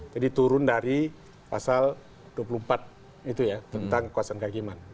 jadi turun dari pasal dua puluh empat itu ya tentang kekuasaan keagiman